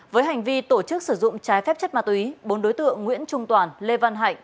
với hành vi tổ chức sử dụng trái phép chất ma túy bốn đối tượng nguyễn trung toàn lê văn hạnh